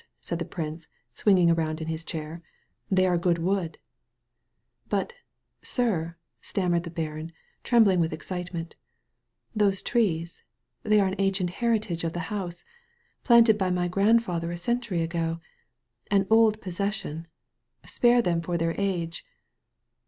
said the prince, swinging around in his chair. "They are good wood," ''But, sir," stammered the baron, trembling with excitement, "those trees — ^they are an ancient heri tage of the house — ^planted by my grandfather a oentuiy ago — an old possession — spare them for their age."